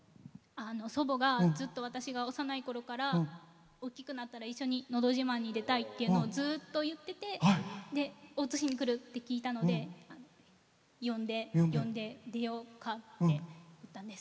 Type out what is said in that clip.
祖母がずっと私が幼いころから大きくなったら一緒に「のど自慢」に出たいっていうのをずっと言ってて大津市に来るって聞いたので呼んで出ようかって言ったんです。